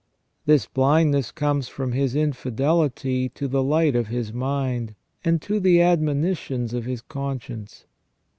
This blindness comes from his infidelity to the light of his mind, and to the admonitions of his conscience.